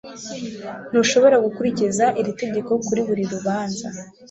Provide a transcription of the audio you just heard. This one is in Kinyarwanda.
Ntushobora gukurikiza iri tegeko kuri buri rubanza.